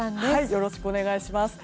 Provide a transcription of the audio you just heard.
よろしくお願いします。